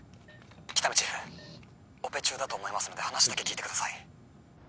喜多見チーフオペ中だと思いますので話だけ聞いてください